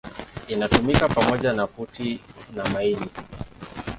Inatumika pamoja na futi na maili.